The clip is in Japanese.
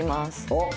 おっ！